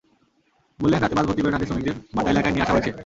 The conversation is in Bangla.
বললেন, রাতে বাস ভর্তি করে নারী শ্রমিকদের বাড্ডা এলাকায় নিয়ে আসা হয়েছে।